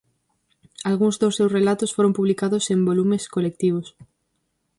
Algúns dos seus relatos foron publicados en volumes colectivos.